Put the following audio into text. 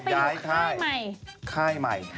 ย้ายค่ายใหม่